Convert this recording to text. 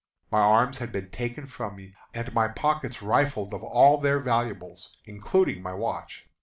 My arms had been taken from me, and my pockets rifled of all their valuables, including my watch.